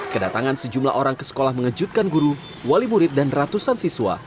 kedatangan sejumlah orang ke sekolah mengejutkan guru wali murid dan ratusan siswa